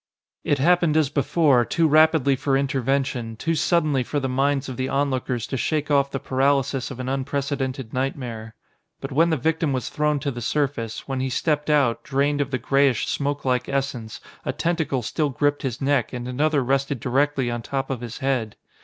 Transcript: It happened as before, too rapidly for intervention, too suddenly for the minds of the onlookers to shake off the paralysis of an unprecedented nightmare. But when the victim was thrown to the surface, when he stepped out, drained of the grayish smokelike essence, a tentacle still gripped his neck and another rested directly on top of his head.